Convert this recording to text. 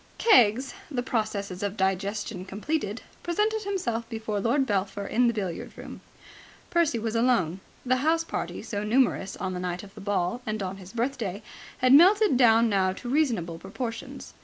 Keggs, the processes of digestion completed, presented himself before Lord Belpher in the billiard room. Percy was alone. The house party, so numerous on the night of the ball and on his birthday, had melted down now to reasonable proportions.